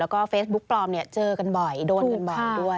แล้วก็เฟซบุ๊กปลอมเนี่ยเจอกันบ่อยโดนกันบ่อยด้วย